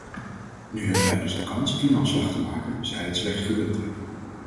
Nu hebben wij dus de kans inhaalslag te maken, zij het slechts gedeeltelijk.